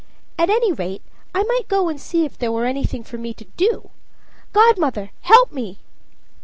At any rate, I might go and see if there were anything for me to do. Godmother, help me!"